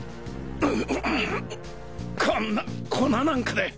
ううこんな粉なんかで。